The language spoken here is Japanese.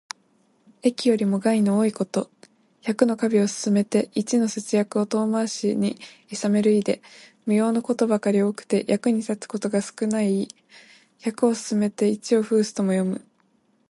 益よりも害の多いこと。百の華美を勧めて一の節約を遠回しにいさめる意で、無用のことばかり多くて、役に立つことが少ない意。「百を勧めて一を諷す」とも読む。